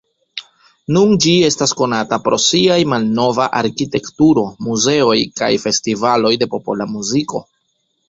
Nun ĝi estas konata pro siaj malnova arkitekturo, muzeoj kaj festivaloj de popola muziko.